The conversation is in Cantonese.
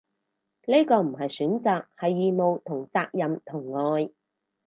呢個唔係選擇，係義務同責任同愛